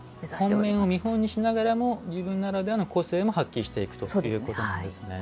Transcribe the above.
本面を見本にしながらも自分ならではの個性も発揮していくということなんですね。